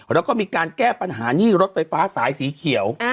แล้วก็มีการแก้ปัญหาหนี้รถไฟฟ้าสายสีเขียว